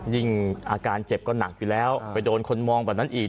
อาการเจ็บก็หนักอยู่แล้วไปโดนคนมองแบบนั้นอีก